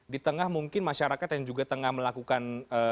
di tengah mungkin masyarakat yang juga tengah melakukan